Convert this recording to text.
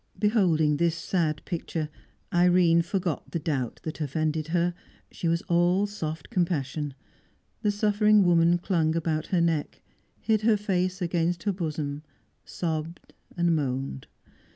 Beholding this sad picture, Irene forgot the doubt that offended her; she was all soft compassion. The suffering woman clung about her neck, hid her face against her bosom, sobbed and moaned.